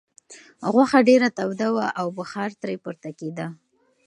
غوښه ډېره توده وه او بخار ترې پورته کېده.